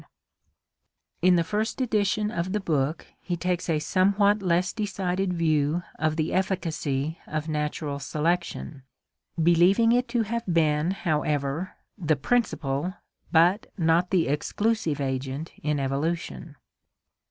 HISTORY OF EVOLUTION 15 In the first edition of the book, he takes a somewhat less decided view of the efficacy of natural selection, believing it to have been, however, the principal but not the exclusive agent in Evolution.